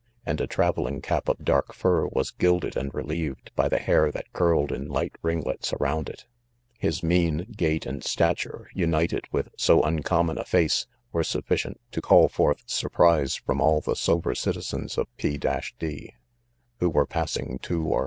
and a. travelling cap of dark fur, was gilded and relieved by the hair that curled in light ringlets around it. His mien, gait, and stature, united with so uncommon a face, were sufficient to call forth surprise from all the sober citizens of P— — d, who were passing to or.